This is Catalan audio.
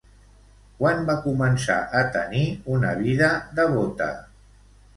Quan va començar a tenir una vida devota?